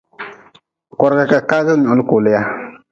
Korga ka kagi nyoli kolea.